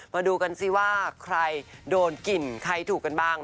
มาดูกันสิว่าใครโดนกลิ่นใครถูกกันบ้าง